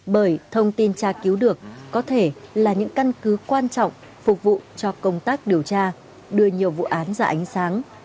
bởi thông tin tra cứu được có thể là những căn cứ quan trọng phục vụ cho công tác điều tra đưa nhiều vụ án ra ánh sáng